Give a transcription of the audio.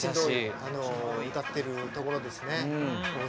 歌っているところですね。